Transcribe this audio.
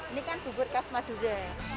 ini kan bubur khas madura